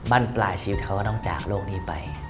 บ้านปลายชีวิตเขาก็ต้องจากโลกนี้ไป